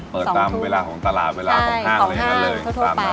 เปิดตามเวลาของตลาดเวลาของห้างอะไรอย่างนั้นเลยตามนั้น